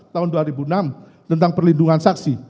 tahun dua ribu enam tentang perlindungan saksi